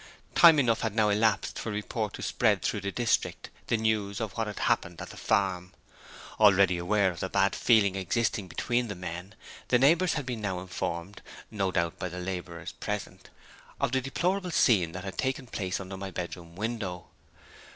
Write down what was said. Time enough had now elapsed for report to spread through the district the news of what had happened at the farm. Already aware of the bad feeling existing between the men, the neighbors had been now informed (no doubt by the laborers present) of the deplorable scene that had taken place under my bedroom window.